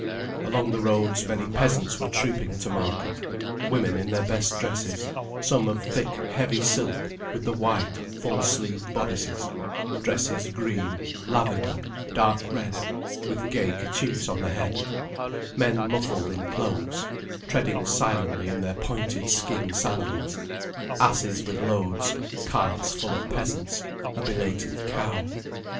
Along the roads many peasants were trooping to market, women in their best dresses, some of thick heavy silk with the white, full sleeved bodices, dresses green, lavender, dark red, with gay kerchiefs on the head: men muffled in cloaks, treading silently in their pointed skin sandals: asses with loads, carts full of peasants, a belated cow.